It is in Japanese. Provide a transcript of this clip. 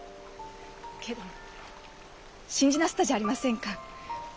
けど信じなすったじゃありませんか。